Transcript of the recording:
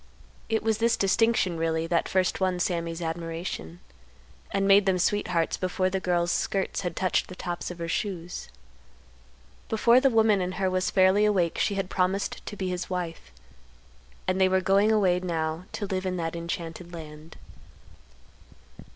It was this distinction, really, that first won Sammy's admiration, and made them sweethearts before the girl's skirts had touched the tops of her shoes. Before the woman in her was fairly awake she had promised to be his wife; and they were going away now to live in that enchanted land.